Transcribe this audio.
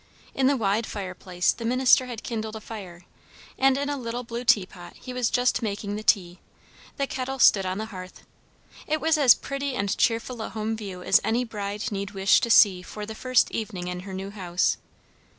In the wide fireplace the minister had kindled a fire; and in a little blue teapot he was just making the tea; the kettle stood on the hearth. It was as pretty and cheerful a home view as any bride need wish to see for the first evening in her new house.